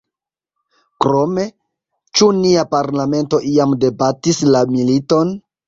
Krome: ĉu nia parlamento iam debatis la militon?